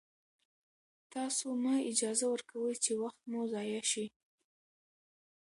تاسو مه اجازه ورکوئ چې وخت مو ضایع شي.